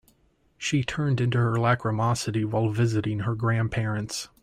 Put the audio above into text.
She turned into her lachrymosity while visiting her grandparents.